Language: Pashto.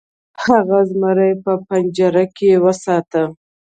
هغه زمری په پنجره کې وساته.